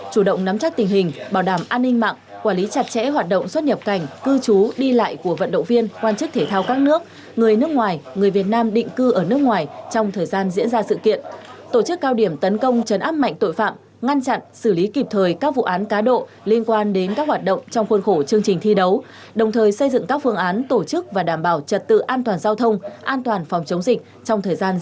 chủ động nắm chắc tình hình bảo đảm an ninh mạng quản lý chặt chẽ hoạt động xuất nhập cảnh cư trú đi lại của vận động viên quan chức thể thao các nước người nước ngoài người việt nam định cư ở nước ngoài trong thời gian diễn ra sự kiện tổ chức cao điểm tấn công trấn áp mạnh tội phạm ngăn chặn xử lý kịp thời các vụ án cá độ liên quan đến các hoạt động trong khuôn khổ chương trình thi đấu đồng thời xây dựng các phương án tổ chức và đảm bảo trật tự an toàn giao thông an toàn phòng chống dịch trong thời gian diễn ra s game ba mươi một